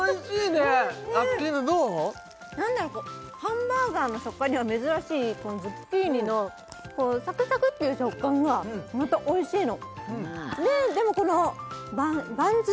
何だろハンバーガーの食感には珍しいズッキーニのサクサクっていう食感がまたおいしいのでもこのバンズ？